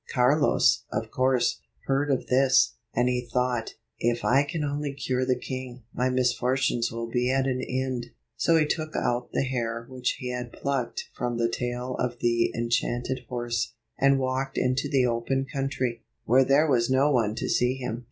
Carlos, of course, heard of this, and he thought, "If I can only cure the king, my misfortunes will be at an end." So he took out the hair which he had plucked from the tail of the en chanted horse, and walked into the open country, where there was no one to see him.